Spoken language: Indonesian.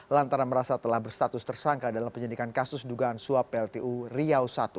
lantaran merasa telah berstatus tersangka dalam penyidikan kasus dugaan suap pltu riau i